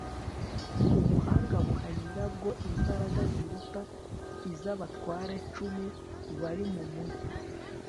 ubuhanga buha nyirabwo imbaraga ziruta iz'abatware cumi bari mu mugi